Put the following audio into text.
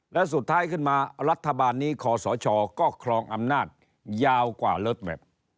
และสุดท้ายขึ้นมารัฐบาลนี้คอสชก็ครองอำนาจยาวกว่าเลิศแมพ